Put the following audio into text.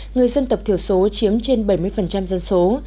người dân tập thiểu số chiếm trên bảy mươi dân số